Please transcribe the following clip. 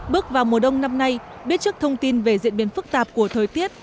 bước vào mùa đông năm nay biết trước thông tin về diễn biến phức tạp của thời tiết